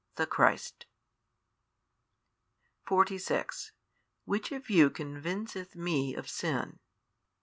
the Christ. 46 Which of you convinceth Me of sin?